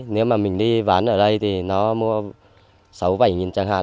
nếu mà mình đi bán ở đây thì nó mua sáu bảy nghìn chẳng hạn